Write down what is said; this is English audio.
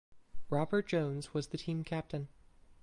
Robert Jones was the team captain.